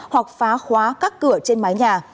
hoặc phá khóa các cửa trên mái nhà